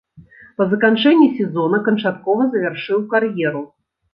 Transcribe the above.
Па заканчэнні сезона канчаткова завяршыў кар'еру.